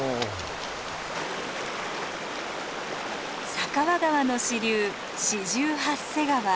酒匂川の支流四十八瀬川。